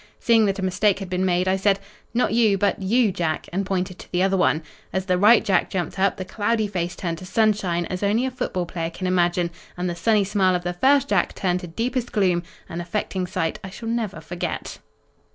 Seeing that a mistake had been made, I said, 'Not you, but you, Jack,' and pointed to the other. As the right Jack jumped up, the cloudy face turned to sunshine, as only a football player can imagine, and the sunny smile of the first Jack turned to deepest gloom, an affecting sight I shall never forget."